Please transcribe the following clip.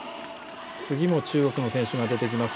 次も中国の選手が出てきます。